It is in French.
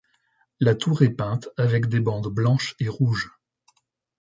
La tour est peinte avec des bandes blanches et rouges.